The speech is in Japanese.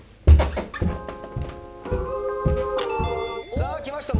さあきました。